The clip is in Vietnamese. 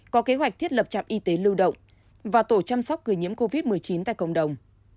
có kế hoạch thiết lập trạm y tế lưu động và tổ chăm sóc người nhiễm covid một mươi chín tại cộng đồng